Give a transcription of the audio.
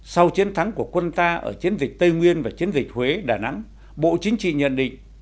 sau chiến thắng của quân ta ở chiến dịch tây nguyên và chiến dịch huế đà nẵng bộ chính trị nhận định